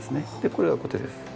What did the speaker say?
これがコテです。